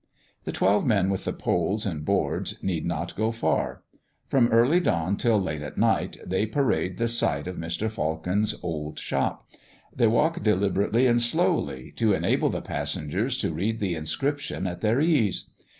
The twelve men with the poles and boards need not go far. From early dawn till late at night they parade the site of Mr. Falcon's old shop. They walk deliberately and slowly, to enable the passengers to read the inscription at their ease.